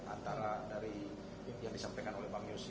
antara dari yang disampaikan oleh bang yus